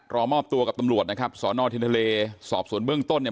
รอมอบตัวกับตำรวจนะครับสอนอทินทะเลสอบส่วนเบื้องต้นเนี่ย